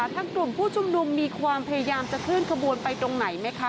ทางกลุ่มผู้ชุมนุมมีความพยายามจะเคลื่อนขบวนไปตรงไหนไหมคะ